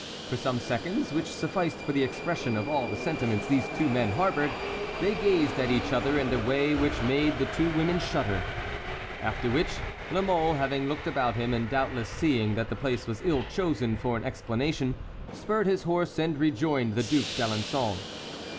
For some seconds, which sufficed for the expression of all the sentiments these two men harbored, they gazed at each other in a way which made the two women shudder. After which, La Mole, having looked about him, and doubtless seeing that the place was ill chosen for an explanation, spurred his horse and rejoined the Duc d'Alençon.